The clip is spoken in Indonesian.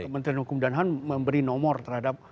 menteri hukum dan ham memberi nomor terhadap